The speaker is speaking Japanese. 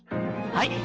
はい！